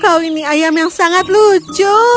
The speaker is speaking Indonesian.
kau tidak bisa menangkap ayam yang sangat lucu